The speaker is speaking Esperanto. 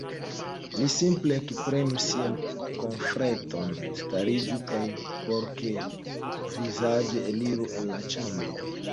Li simple ekprenu sian kofreton, stariĝu kaj pokervizaĝe eliru el la ĉambro.